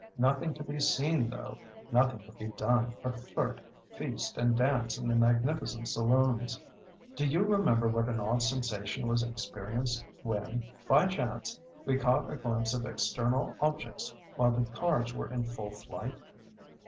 Nothing to be seen though—nothing to be done but flirt, feast and dance in the magnificent saloons. Do you remember what an odd sensation was experienced when, by chance, we caught a glimpse of external objects while the cars were in full flight?